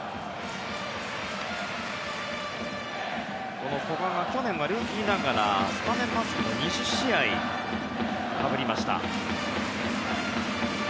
この古賀が去年はルーキーながらスタメンマスクを２０試合かぶりました。